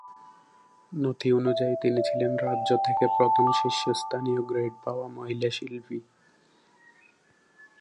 নথি অনুযায়ী, তিনি ছিলেন রাজ্য থেকে প্রথম শীর্ষস্থানীয় গ্রেড পাওয়া মহিলা শিল্পী।